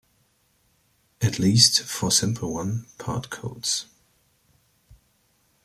At least, for simple one part codes.